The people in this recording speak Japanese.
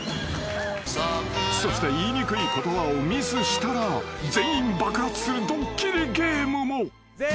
［そして言いにくい言葉をミスしたら全員爆発するドッキリゲームも］